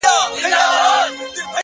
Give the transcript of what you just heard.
پرمختګ له روښانه موخو ځواک اخلي!.